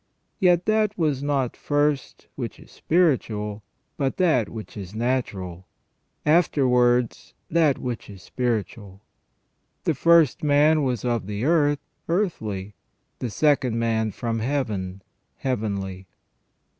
Yet that was not first which is spiritual but that which is natural ; afterwards that which is spiritual. The first man was of the earth, earthly ; the second man from Heaven, heavenly.